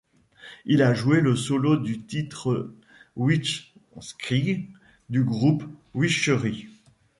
Il a joué le solo du titre Witchkrieg du groupe Witchery.